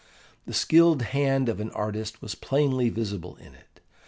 The skilled hand of an artist was plainly visible in it.